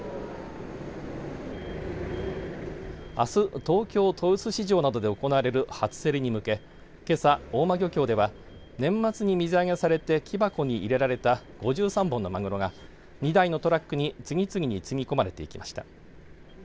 あす東京豊洲市場などで行われる初競りに向けけさ、大間漁協では年末に水揚げされて木箱に入れられた５３本のまぐろが２台のトラックに次々に積み込まれていきました。